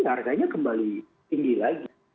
harganya kembali tinggi lagi